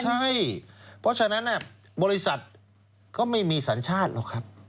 ใช่เพราะฉะนั้นบริษัทก็ไม่มีสัญชาติหรอกครับ